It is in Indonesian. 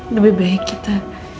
lebih baik kita